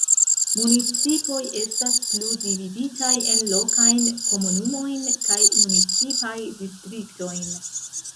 Municipoj estas plu dividitaj en lokajn komunumojn kaj municipaj distriktojn.